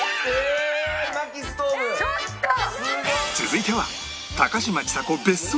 続いては